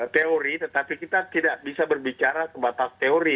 teori tetapi kita tidak bisa berbicara sebatas teori